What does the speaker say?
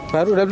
baru dapat lima